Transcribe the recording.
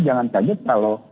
jangan kaget kalau